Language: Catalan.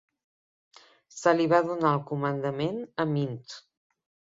Se li va donar el comandament a Minsk.